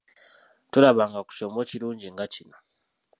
Tolabanga ku kyombo kirungi nga kino.